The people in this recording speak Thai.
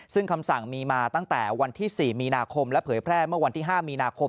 ซึ่งคำสั่งมีมาตั้งแต่วันที่๔มีนาคมและเผยแพร่เมื่อวันที่๕มีนาคม